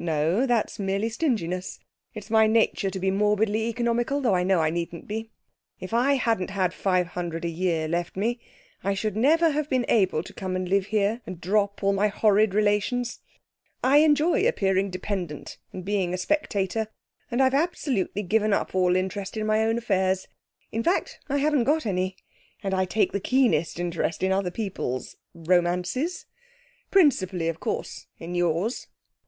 'No, that's merely stinginess. It's my nature to be morbidly economical, though I know I needn't be. If I hadn't had £500 a year left me, I should never have been able to come and live here, and drop all my horrid relations. I enjoy appearing dependent and being a spectator, and I've absolutely given up all interest in my own affairs. In fact, I haven't got any. And I take the keenest interest in other people's romances. Principally, of course, in yours.'